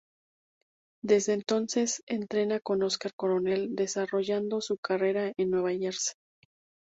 Desde entonces entrena con Oscar Coronel, desarrollando su carrera en Nueva Jersey.